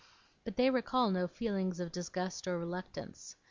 But they recall no feeling of disgust or reluctance.